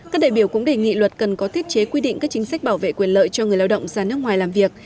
các đại biểu cũng đề nghị luật cần có thiết chế quy định các chính sách bảo vệ quyền lợi cho người lao động ra nước ngoài làm việc